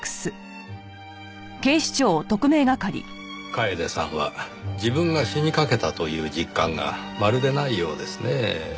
楓さんは自分が死にかけたという実感がまるでないようですねぇ。